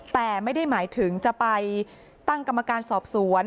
แต่ไม่ได้หมายถึงจะไปตั้งกรรมการสอบสวน